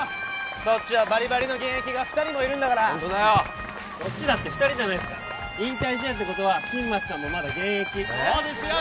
そっちはバリバリの現役が２人もいるんだからそっちだって２人じゃないすか引退試合ってことは新町さんもまだ現役そうですよ